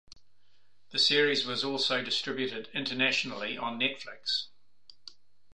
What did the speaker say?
The series was also distributed internationally on Netflix.